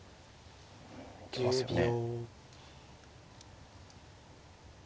行きますよね。